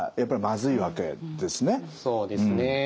そうですね。